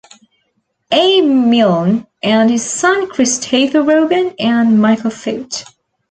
A. Milne and his son Christopher Robin, and Michael Foot.